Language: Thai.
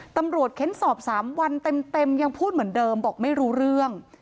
เค้นสอบ๓วันเต็มยังพูดเหมือนเดิมบอกไม่รู้เรื่อง